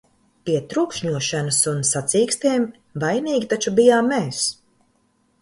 "Pie trokšņošanas un "sacīkstēm" vainīgi taču bijām mēs!"